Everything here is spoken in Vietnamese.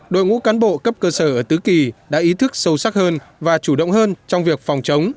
đội ngũ cán bộ cấp cơ sở ở tứ kỳ đã ý thức sâu sắc hơn và chủ động hơn trong việc phòng chống